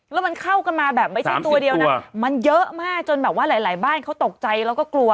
แล้วมันเข้ากันมาแบบไม่ใช่ตัวเดียวนะมันเยอะมากจนแบบว่าหลายบ้านเขาตกใจแล้วก็กลัว